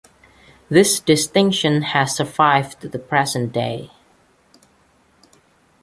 This distinction has survived to the present day.